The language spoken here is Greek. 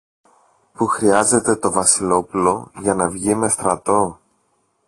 που χρειάζεται το Βασιλόπουλο για να βγει με στρατό.